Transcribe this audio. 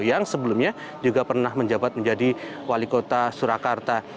yang sebelumnya juga pernah menjabat menjadi wali kota surakarta